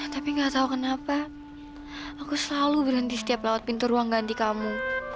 tapi gak tahu kenapa aku selalu berhenti setiap lewat pintu ruang ganti kamu